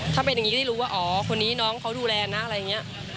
ถ้าเป็นอย่างนี้ก็ได้รู้อ๋อคนนี้คนนี้เขาดูแลนะ